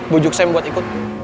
bujuk sam ikut